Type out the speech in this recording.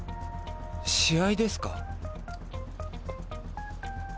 試合ですか？